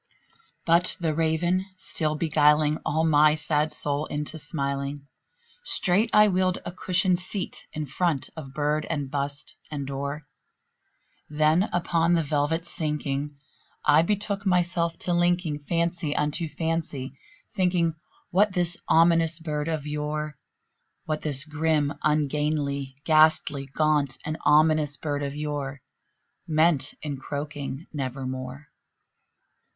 '" But the Raven still beguiling all my sad soul into smiling, Straight I wheeled a cushioned seat in front of bird and bust and door; Then, upon the velvet sinking, I betook myself to linking Fancy unto fancy, thinking what this ominous bird of yore What this grim, ungainly, ghastly, gaunt, and ominous bird of yore Meant in croaking "Nevermore."